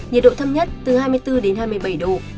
nhiệt độ thấp nhất từ hai mươi bốn đến hai mươi bảy độ